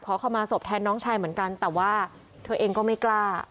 ขอเข้ามาศพแทนน้องชายเหมือนกันแต่ว่าเธอเองก็ไม่กล้า